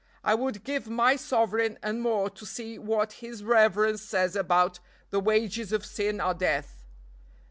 I would give my sovereign and more to see what his reverence says about 'The wages of sin are death.'